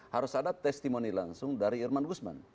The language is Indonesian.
harus ada testimoni langsung dari irman gusman